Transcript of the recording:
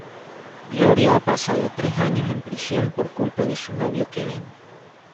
Gloria ha pasado tres años en prisión por culpa de su novio Kevin.